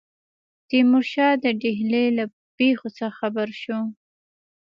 تیمورشاه د ډهلي له پیښو څخه خبر شو.